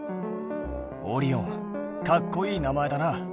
オリオンかっこいい名前だな。